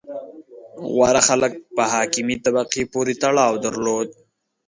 • غوره خلک په حاکمې طبقې پورې تړاو درلود.